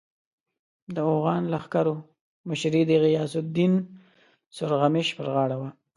د اوغان لښکرو مشري د غیاث الدین سورغمش پر غاړه ده.